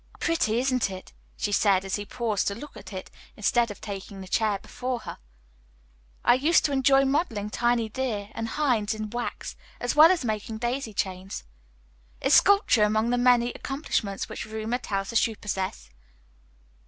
"Pretty, isn't it?" she said, as he paused to look at it instead of taking the chair before her. "I used to enjoy modeling tiny deer and hinds in wax, as well as making daisy chains. Is sculpture among the many accomplishments which rumor tells us you possess?"